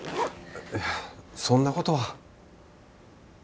いえそんなことは。